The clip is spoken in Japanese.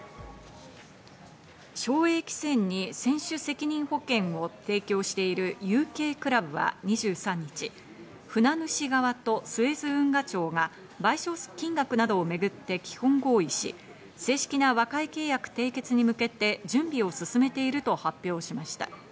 正栄汽船に船主責任保険を提供しているＵＫクラブは２３日、船主側とスエズ運河庁が賠償金額などをめぐって基本合意し、正式な和解契約締結に向けて準備を進めていると発表しました。